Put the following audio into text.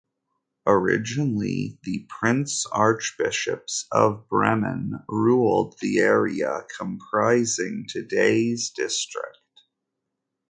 Originally the prince-archbishops of Bremen ruled the area comprising today's district.